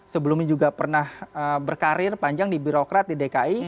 sebelumnya juga pernah berkarir panjang di birokrat di dki